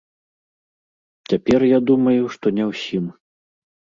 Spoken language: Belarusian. Цяпер я думаю, што не ўсім.